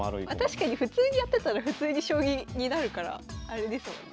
確かに普通にやってたら普通に将棋になるからあれですもんね